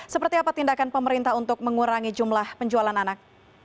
seperti apa tindakan pemerintah untuk mengurangi jumlah penjualan anak